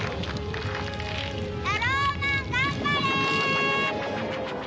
タローマン頑張れ！